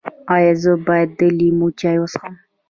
ایا زه باید د لیمو چای وڅښم؟